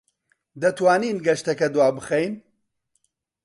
دەتوانین گەشتەکە دوابخەین؟